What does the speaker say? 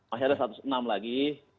masih ada satu ratus enam lagi